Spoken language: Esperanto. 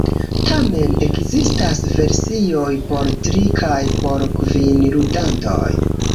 Tamen, ekzistas versioj por tri kaj por kvin ludantoj.